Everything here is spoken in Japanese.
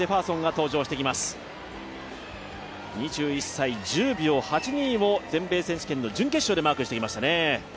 ２１歳、１０秒８２を全米選手権の準決勝でマークしてきましたね。